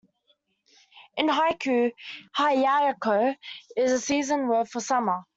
In haiku, hiyayakko is a season word for summer.